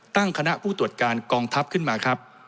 ตั้งคณะผู้ตรวจการกองทัพขึ้นมาครับ